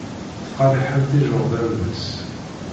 Ttqerriḥen-tt ijeɣdanen-is.